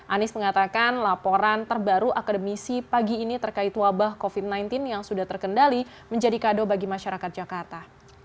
anies mengatakan laporan terbaru akademisi pagi ini terkait wabah covid sembilan belas yang sudah terkendali menjadi kado bagi masyarakat jakarta